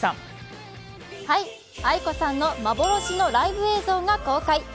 ａｉｋｏさんの幻のライブ映像が公開。